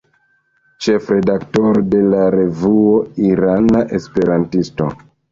Ĉefredaktoro de la revuo "Irana Esperantisto".